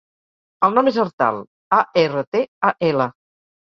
El nom és Artal: a, erra, te, a, ela.